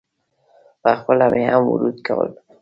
پخپله مې هم ورد کول.